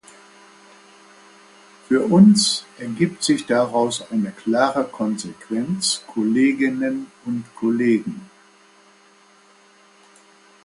Für uns ergibt sich daraus eine klare Konsequenz, Kolleginnen und Kollegen.